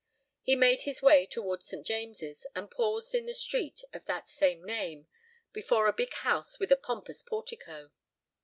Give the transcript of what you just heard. He made his way toward St. James's, and paused in the street of that same name, before a big house with a pompous portico.